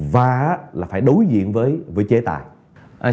và là phải đối diện với chế tài